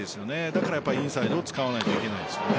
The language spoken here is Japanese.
だからインサイドを使わないといけないですよね。